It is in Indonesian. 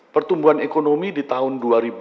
pertumbuhan ekonomi di tahun dua ribu dua puluh